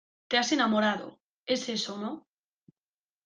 te has enamorado, ¿ es eso , no?